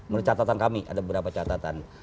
menurut catatan kami ada beberapa catatan